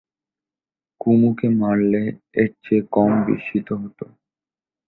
কুমুকে মারলে এর চেয়ে কম বিস্মিত হত।